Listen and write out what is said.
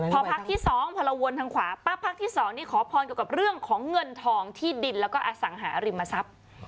พอพักที่๒พอเราวนทางขวาปั๊บพักที่๒นี่ขอพรเกี่ยวกับเรื่องของเงินทองที่ดินแล้วก็อสังหาริมทรัพย์